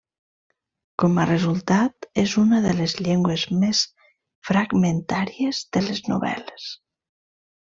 Com a resultat, és una de les llengües més fragmentàries de les novel·les.